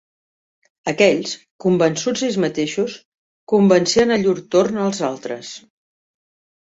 Aquells, convençuts ells mateixos, convencien a llur torn els altres